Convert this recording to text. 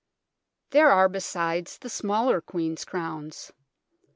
There are besides the smaller Queen's Crowns.